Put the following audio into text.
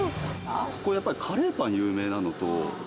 ここやっぱり、カレーパン有名なのと。